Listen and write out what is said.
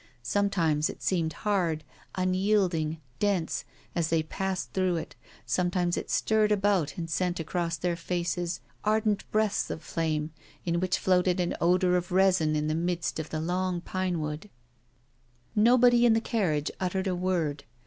Sometimes it seemed hard, unyielding, dense, as they passed through it, sometimes it stirred about and sent across their faces ardent breaths of flame in which floated an odor of resin in the midst of the long pine wood. Nobody in the carriage uttered a word.